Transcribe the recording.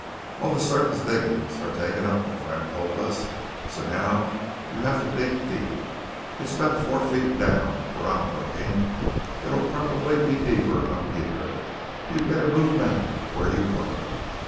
"All the surface diggings are taken up," our friend told us. "So now you have to dig deep. It's about four feet down where I'm working. It'll probably be deeper up here. You'd better move back where you were."